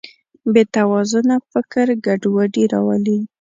بېتوازنه فکر ګډوډي راولي.